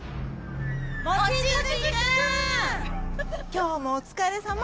今日もお疲れさま。